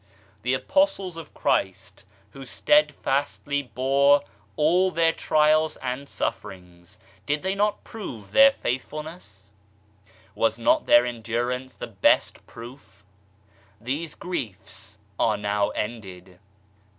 The Apostles of Christ who steadfastly bore all their trials and sufferings did they not prove their faithful ness ? Was not their endurance the best proof ? These griefs are now ended.